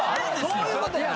そういうことやな。